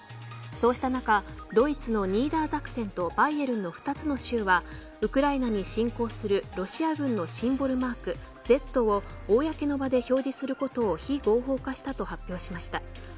そうした中ドイツのニーダーザクセンとバイエルンの２つの州はウクライナに侵攻するロシア軍のシンボルマークＺを公の場で表示することを非合法化したと発表しました。